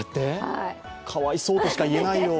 かわいそうとしかいえないよ。